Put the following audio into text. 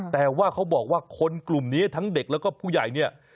แต่ว่าเขาบอกว่าคนกลุ่มนี้ทั้งเด็กแล้วก็ผู้ใหญ่เนี่ย